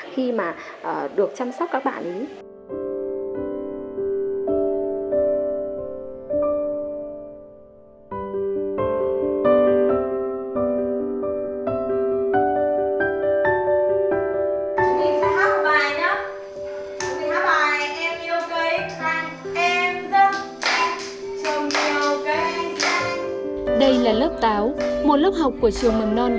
khi mà được chăm sóc các bạn